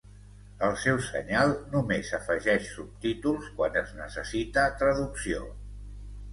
El seu senyal només afegeix subtítols quan es necessita traducció.